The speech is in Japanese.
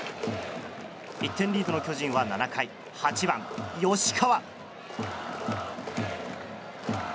１点リードの巨人は７回８番、吉川。